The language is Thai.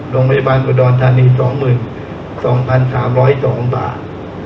โรงพยาบาลอุดรธานี๒๒๓๐๒บาท